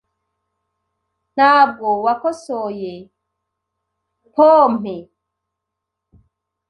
Ntabwo wakosoye pompe?